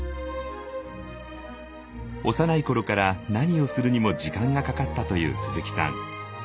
幼い頃から何をするにも時間がかかったという鈴木さん。